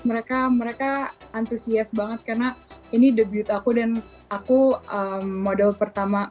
mereka mereka antusias banget karena ini debut aku dan aku model pertama